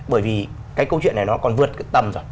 bởi vì cái câu chuyện này nó còn vượt cái tầm rồi